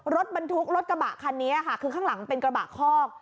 รถบรรทุกรถกระบะคันนี้ค่ะคือข้างหลังเป็นกระบะคอก